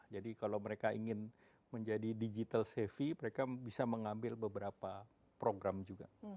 jadi kalau mereka ingin menjadi digital savvy mereka bisa mengambil beberapa program juga